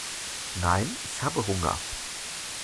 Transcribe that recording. Nein, ich habe Hunger.